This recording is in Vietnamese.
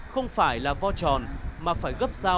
không phải là vò tròn mà phải gấp chân màn